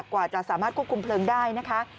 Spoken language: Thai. กว่าจะสามารถควบคุมเพลิงได้นะคะ